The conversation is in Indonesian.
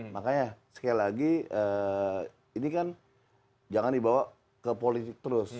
makanya sekali lagi ini kan jangan dibawa ke politik terus